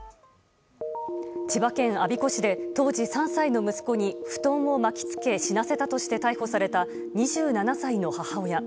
千葉県我孫子市で当時３歳の息子に布団を巻き付け死なせたとして逮捕された２７歳の母親。